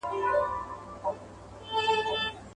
خپروي زړې تيارې پر ځوانو زړونو.